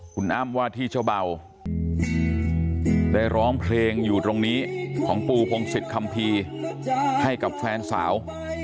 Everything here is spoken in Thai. คุณอ้ำว่าที่เจ้าเบาได้ร้องเพลงอยู่ตรงนี้ของปูพงศิษยคัมภีร์ให้กับแฟนสาว